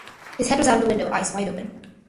His head was out of the window, eyes wide open.